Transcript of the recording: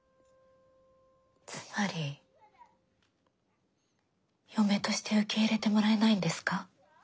つまり嫁として受け入れてもらえないんですか？